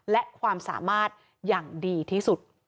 และความสามารถอย่างดีที่สุด